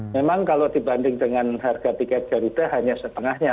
memang kalau dibanding dengan harga tiket garuda hanya setengahnya